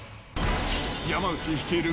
山内率いる